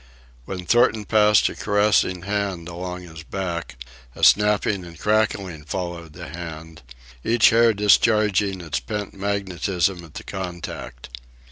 When Thornton passed a caressing hand along his back, a snapping and crackling followed the hand, each hair discharging its pent magnetism at the contact.